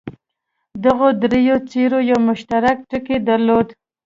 دغو دریو څېرو یو مشترک ټکی درلود.